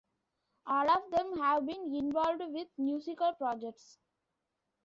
All of them have been involved with musical projects.